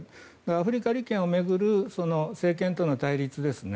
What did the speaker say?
アフリカ利権を巡る政権との対立ですね